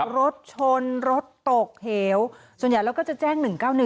รถชนรถตกเหวส่วนใหญ่แล้วก็จะแจ้ง๑๙๑